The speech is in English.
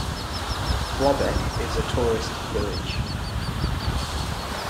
Flobecq is a tourist village.